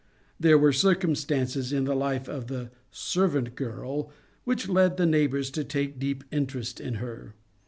There were circumstances in the life of the ^^ servant girl " which led the neighbours to take deep interest in her.